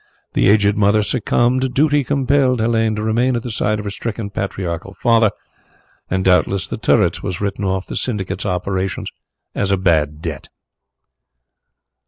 The aged mother succumbed; duty compelled Helene to remain at the side of her stricken patriarchal father, and doubtless The Turrets was written off the syndicate's operations as a bad debt."